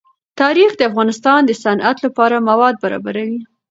تاریخ د افغانستان د صنعت لپاره مواد برابروي.